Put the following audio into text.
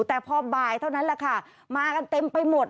แต่พอบ่ายเท่านั้นแหละค่ะมากันเต็มไปหมด